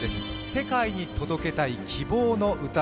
「世界に届けたい希望の歌」